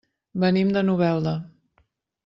Venim de Novelda.